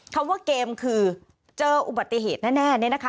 คำว่าเกมคือเจออุบัติเหตุแน่เนี่ยนะคะ